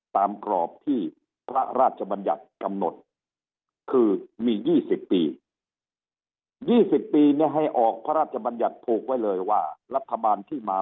กรอบที่พระราชบัญญัติกำหนดคือมี๒๐ปี๒๐ปีเนี่ยให้ออกพระราชบัญญัติผูกไว้เลยว่ารัฐบาลที่มา